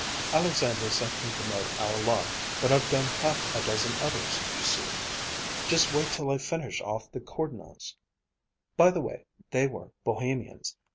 "Alexandra sent me to mow our lot, but I've done half a dozen others, you see. Just wait till I finish off the Kourdnas'. By the way, they were Bohemians.